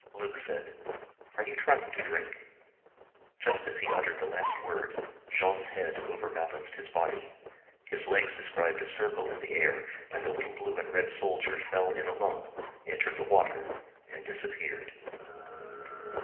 Luc said: "Are you trying to drink?" Just as he uttered the last word Jean's head overbalanced his body, his legs described a circle in the air, and the little blue and red soldier fell in a heap, struck the water, and disappeared.